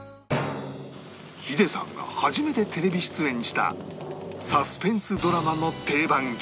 ヒデさんが初めてテレビ出演したサスペンスドラマの定番曲